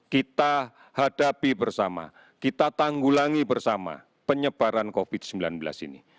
kita hadapi bersama kita tanggulangi bersama penyebaran covid sembilan belas ini